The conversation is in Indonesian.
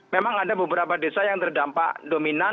memang ada beberapa desa yang terdampak dominan